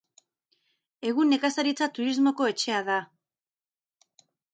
Egun nekazaritza turismoko etxea da.